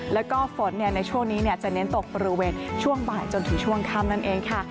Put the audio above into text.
แล้วก็ฝนในช่วงนี้จะเน้นตกบริเวณช่วงบ่ายจนถึงช่วงค่ำนั่นเองค่ะ